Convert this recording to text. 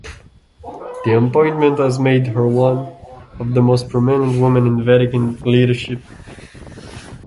The appointment has made her one of the most prominent women in Vatican leadership.